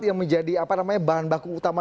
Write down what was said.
yang menjadi bahan baku utama